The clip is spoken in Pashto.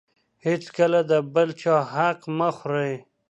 هېڅکله د بل چا حق مه خورئ.